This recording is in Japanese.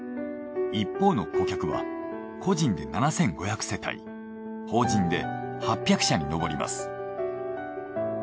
一方の顧客は個人で７，５００世帯法人で８００社にのぼります。